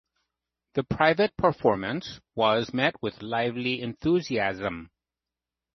The private performance was met with lively enthusiasm.